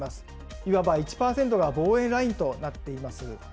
いわば１％が防衛ラインとなっています。